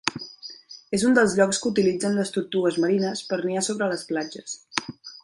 És un dels llocs que utilitzen les tortugues marines per niar sobre les platges.